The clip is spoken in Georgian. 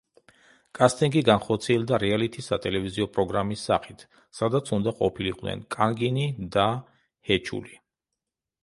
კასტინგი განხორციელდა რეალითი სატელევიზიო პროგრამის სახით, სადაც უნდა ყოფილიყვნენ კანგინი და ჰეჩული.